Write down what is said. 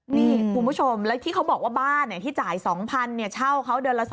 นี่คุณผู้ชมแล้วที่เขาบอกว่าบ้านที่จ่าย๒๐๐เช่าเขาเดือนละ๒๐๐